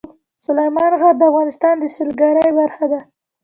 سلیمان غر د افغانستان د سیلګرۍ برخه ده.